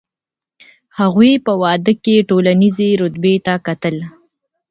هغوی په واده کي ټولنیزې رتبې ته کتل.